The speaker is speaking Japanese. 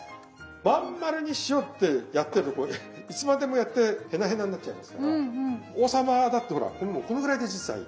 真ん丸にしようってやってるといつまでもやってヘナヘナになっちゃいますから王様だってほらこのぐらいで実はいい。